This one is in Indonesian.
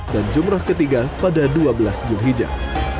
dan jumroh ketiga pada dua belas julhijjah